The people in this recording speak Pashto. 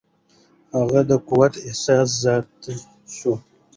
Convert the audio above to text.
هغه د قوت احساس زیات شو.